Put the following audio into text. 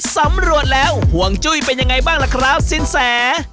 สำรวจแล้วห่วงจุ้ยเป็นยังไงบ้างล่ะครับสินแส